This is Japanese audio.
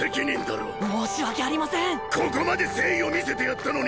ここまで誠意を見せてやったのにか？